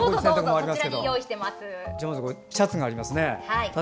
まずシャツがありますね。